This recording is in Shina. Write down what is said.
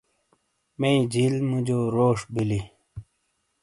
مئی جیل موجو روش بیلی